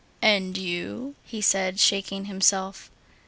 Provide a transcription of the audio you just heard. "And you?" he said, shaking himself.